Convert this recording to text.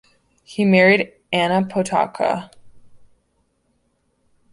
He married Anna Potocka.